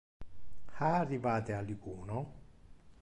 Ha arrivate alicuno?